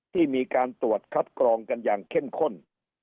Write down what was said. ที่มีการตรวจคัดกรองกันอย่างเข้มข้น